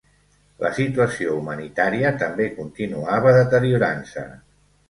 La situació humanitària també continuava deteriorant-se.